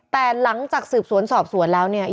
แต่หลังจากสืบสวนสอบสวนแล้วเนี่ย